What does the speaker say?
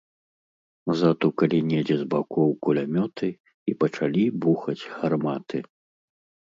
Затукалі недзе з бакоў кулямёты, і пачалі бухаць гарматы.